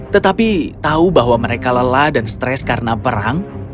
tetapi tahu bahwa mereka lelah dan stres karena perang